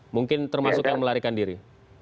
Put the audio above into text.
mungkin termasuk yang melarikan diri